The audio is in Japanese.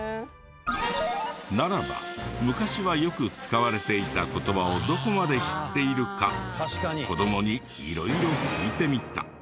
ならば昔はよく使われていた言葉をどこまで知っているか子どもに色々聞いてみた。